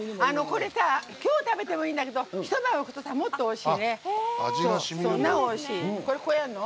これさ今日食べてもいいんだけど一晩置くともっとおいしいね。